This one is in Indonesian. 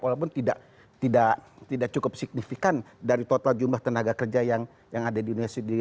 walaupun tidak cukup signifikan dari total jumlah tenaga kerja yang ada di sekitar satu ratus tiga puluh lima juta tenaga kerja